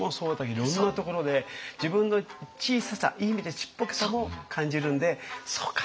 いろんなところで自分の小ささいい意味でちっぽけさも感じるんで「そうか」って。